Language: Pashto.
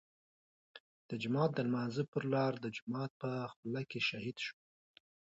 د جماعت د لمانځه پر لار د جومات په خوله کې شهيد شو.